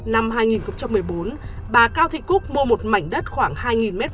năm hai nghìn một mươi bốn bà cao thị cúc mua một mảnh đất khoảng hai m hai